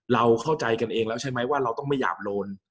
เราเข้าใจกันเองแล้วใช่ไหมว่าเราต้องไม่หยาบโลน